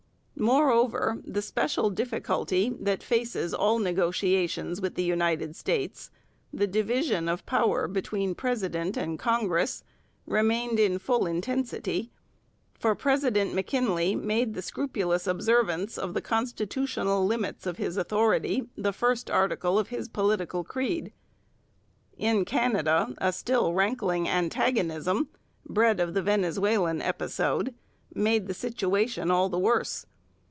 Moreover, the special difficulty that faces all negotiations with the United States, the division of power between President and Congress, remained in full intensity, for President M'Kinley made the scrupulous observance of the constitutional limits of his authority the first article in his political creed. In Canada a still rankling antagonism bred of the Venezuelan episode made the situation all the worse.